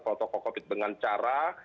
protokol covid sembilan belas dengan cara